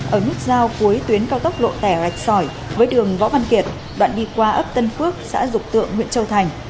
ở nút giao cuối tuyến cao tốc lộ tẻ rạch sỏi với đường võ văn kiệt đoạn đi qua ấp tân phước xã dục tượng huyện châu thành